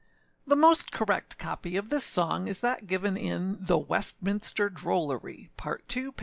[THE most correct copy of this song is that given in The Westminster Drollery, Part II. p.